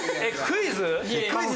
クイズ？